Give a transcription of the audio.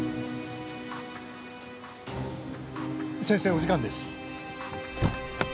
先生お時間です。